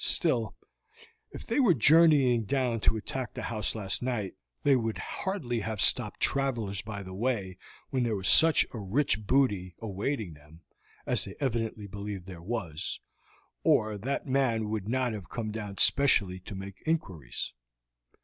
Still, if they were journeying down to attack the house last night they would hardly have stopped travelers by the way when there was a rich booty awaiting them, as they evidently believed there was, or that man would not have come down specially to make inquiries.